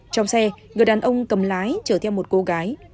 trong xe người đàn ông cầm lái chở theo một cô gái